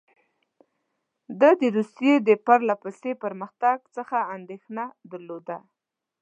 ده د روسیې د پرله پسې پرمختګ څخه اندېښنه درلوده.